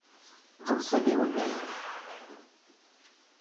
D nnṣib-iw, i dayem.